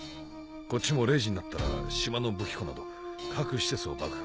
こっちも０時になったら島の武器庫など各施設を爆破。